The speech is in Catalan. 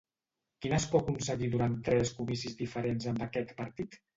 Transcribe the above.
Quin escó aconseguí durant tres comicis diferents amb aquest partit?